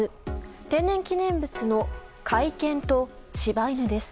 天然記念物の甲斐犬と柴犬です。